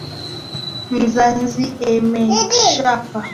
Mzazi amemchapa mtoto wake.